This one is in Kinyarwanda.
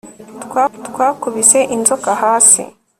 twakubise inzoka hasi